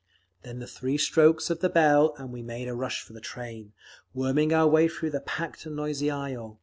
Then the three strokes of the bell and we made a rush for the train, worming our way through the packed and noisy aisle….